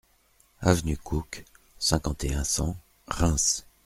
Avenue Cook, cinquante et un, cent Reims